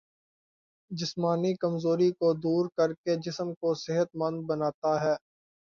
جسمانی کمزوری کو دور کرکے جسم کو صحت مند بناتا ہے